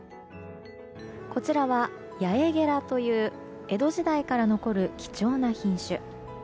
こちらは、八重げらという江戸時代から残る貴重な品種。